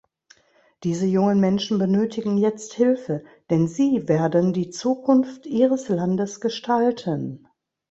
Diese jungen Menschen benötigen jetzt Hilfe, denn sie werden die Zukunft ihres Landes gestalten.